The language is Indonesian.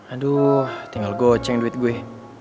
aduh tinggal goceng duit gue